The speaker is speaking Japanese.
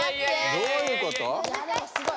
どういうこと？